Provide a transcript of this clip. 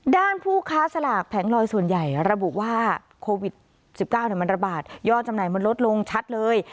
ผู้ค้าสลากแผงลอยส่วนใหญ่ระบุว่าโควิด๑๙มันระบาดยอดจำหน่ายมันลดลงชัดเลย